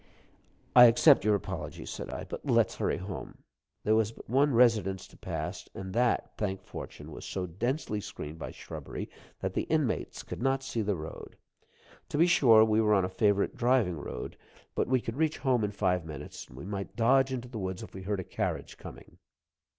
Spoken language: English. "I accept your apology," said I, "but let's hurry home." There was but one residence to pass, and that, thank fortune, was so densely screened by shrubbery that the inmates could not see the road. To be sure, we were on a favorite driving road, but we could reach home in five minutes, and we might dodge into the woods if we heard a carriage coming.